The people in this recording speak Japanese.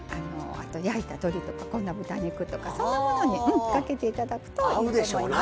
あと焼いた鶏とかこんな豚肉とかそんなものにかけて頂くといいと思います。